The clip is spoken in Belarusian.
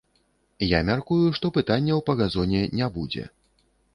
Я мяркую, што пытанняў па газоне не будзе.